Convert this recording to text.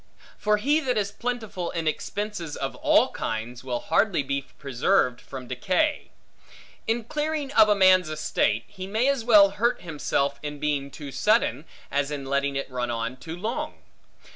For he that is plentiful in expenses of all kinds, will hardly be preserved from decay. In clearing of a man's estate, he may as well hurt himself in being too sudden, as in letting it run on too long.